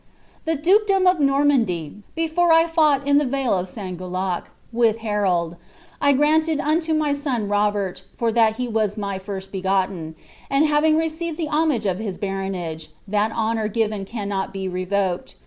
"The dukedom of Kortnandy, before I fou^t in Ihe vale Sauguelac, with Harold, I granted unio my soti Bi> bert, for that he is my firsi begotten, and having received the homage d his baronage, that honour given cannot be revoked.